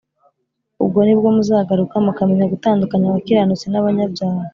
Ubwo ni bwo muzagaruka mukamenya gutandukanya abakiranutsi n’abanyabyaha